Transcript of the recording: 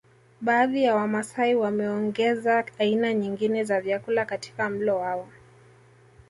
Baadhi ya wamasai wameongeza aina nyingine za vyakula katika mlo wao